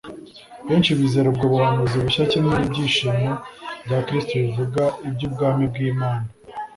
benshi bizera ubwo buhanuzi bushya kimwe n'ibyigisho bya Kristo bivuga iby'ubwami bw'Imana.